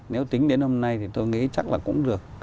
nếu tính đến hôm nay thì tôi nghĩ chắc là cũng được